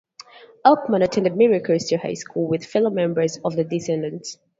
Aukerman attended Mira Costa High School, with fellow members of the Descendants.